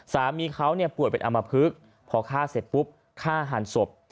สามีเขาป่วยเป็นอำมพลึกพอฆ่าเสร็จปุ๊บฆ่าหันศพ